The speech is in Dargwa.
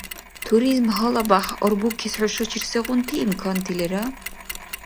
Туризм гьалабяхӀ арбукес хӀушачир сегъунти имканти лера?